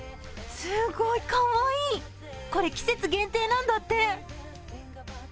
すごいかわいい、これ季節限定なんだって！